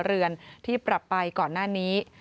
เรือนที่ปรับไปก่อนหน้านี้